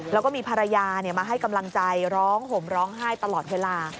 แล้วก็มีภรรยามาให้กำลังใจร้องห่มร้องไห้ตลอดเวลา